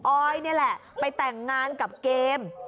ออยนี่แหละไปแต่งงานกับเกม